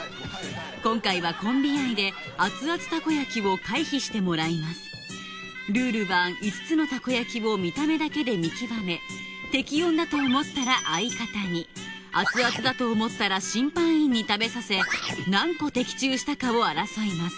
今回はコンビ愛で熱々たこ焼きを回避してもらいますルールは５つのたこ焼きを見た目だけで見極め適温だと思ったら相方に熱々だと思ったら審判員に食べさせ何個的中したかを争います